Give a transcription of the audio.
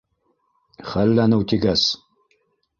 Хәлләнеү тигәс...